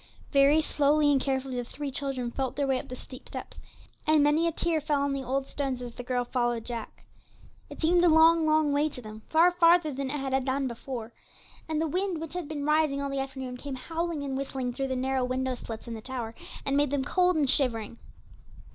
Very slowly and carefully the three children felt their way up the steep steps, and many a tear fell on the old stones as the girls followed Jack. It seemed a long, long way to them, far farther than it had done before; and the wind, which had been rising all the afternoon, came howling and whistling through the narrow window slits in the tower, and made them cold and shivering.